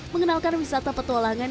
mengenalkan wisata petualangan